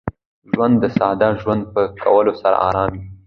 ژوند د ساده ژوند په کولو سره ارام وي.